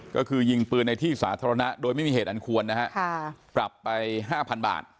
ก็คือยิงปืนในที่สาธารณะโดยไม่มีเหตุอันควรนะฮะปรับไป๕๐๐บาท